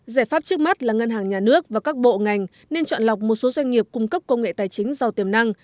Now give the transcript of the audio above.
giải pháp trước mắt là ngân hàng nhà nước và các bộ ngành nên chọn lọc một số doanh nghiệp cung cấp công nghệ tài chính giàu tiềm năng